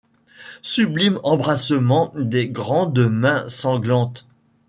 Sublime embrassement des grandes mains sanglantes !